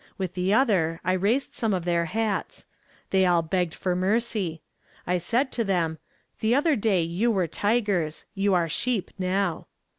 With the other I raised some of their hats. They all begged for mercy. I said to them, 'The other day you were tigers you are sheep now.'